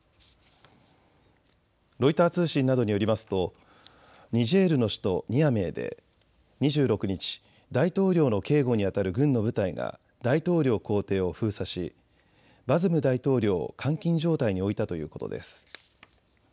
ロイター通信などによりますとニジェールの首都ニアメーで２６日、大統領の警護にあたる軍の部隊が大統領公邸を封鎖しバズム大統領を監禁状態に置いたということです。